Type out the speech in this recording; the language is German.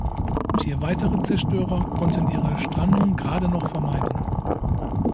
Vier weitere Zerstörer konnten ihre Strandung gerade noch vermeiden.